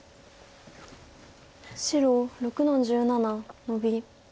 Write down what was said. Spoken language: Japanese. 白６の十七ノビ。